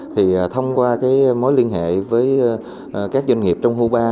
thì thông qua mối liên hệ với các doanh nghiệp trong cuba